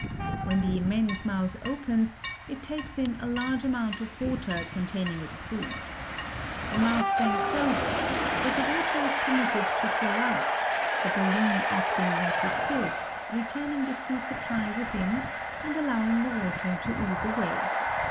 When the immense mouth opens, it takes in a large amount of water containing its food. The mouth then closes, but the water is permitted to flow out, the baleen acting like a sieve, retaining the food supply within and allowing the water to ooze away.